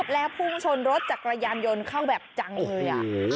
แล้วพุ่งชนรถจักรยานยนต์เข้าแบบจังเลย